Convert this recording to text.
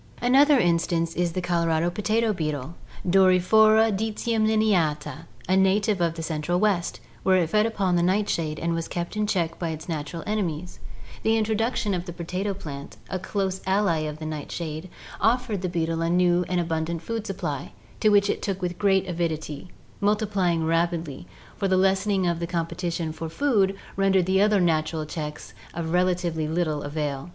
Another instance is the Colorado potato beetle (Doryphora dccendineata), a native of the Central West, where it fed upon the nightshade and was kept in check by its natural enemies. The no ORGANIC EVOLUTION introduction of the potato plant, a close ally of the nightshade, offered the beetle a new and abundant food supply, to which it took with great avidity, multiplying rapidly, for the lessening of the competition for food rendered the other natural checks of rela tively little avail.